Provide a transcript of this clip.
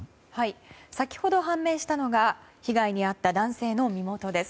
先ほど判明したのが被害に遭った男性の身元です。